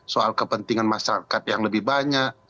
soal kepentingan masyarakat yang lebih banyak